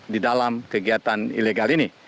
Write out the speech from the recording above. di dalam kegiatan ilegal ini